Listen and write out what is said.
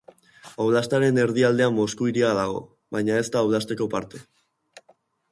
Oblastaren erdialdean Mosku hiria dago, baina ez da oblasteko parte.